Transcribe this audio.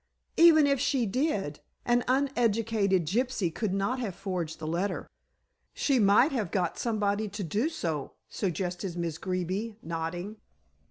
"Even if she did, an uneducated gypsy could not have forged the letter." "She might have got somebody to do so," suggested Miss Greeby, nodding.